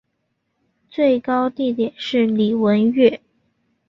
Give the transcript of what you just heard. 最高地点是礼文岳。